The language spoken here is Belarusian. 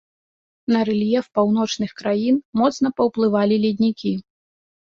На рэльеф паўночных краін моцна паўплывалі леднікі.